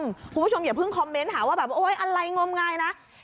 คุณผู้ชมอย่าเพิ่งคอมเมนต์หาว่าแบบโอ๊ยอะไรงมงายนะ